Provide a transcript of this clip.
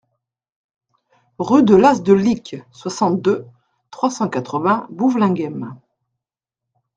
Rue de l'As de Licques, soixante-deux, trois cent quatre-vingts Bouvelinghem